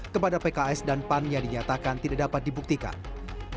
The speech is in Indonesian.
kepada pks dan pan yang dinyatakan tidak dapat dibuktikan